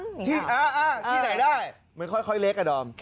อ่าที่ไหนได้มันค่อยเล็กอะดอม